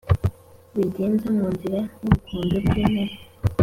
wigenza mu nzira, nk'ubukombe bw'intare,